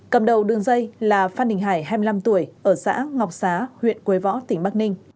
cầm đầu đường dây là phan đình hải hai mươi năm tuổi ở xã ngọc xá huyện quế võ tỉnh bắc ninh